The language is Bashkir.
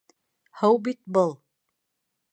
— Һыу бит был!